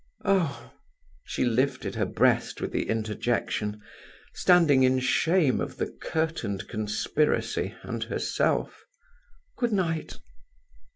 "Oh!" she lifted her breast with the interjection, standing in shame of the curtained conspiracy and herself, "good night".